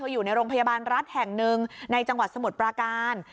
อยู่ในโรงพยาบาลรัฐแห่งหนึ่งในจังหวัดสมุทรปราการ